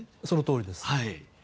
そのとおりです。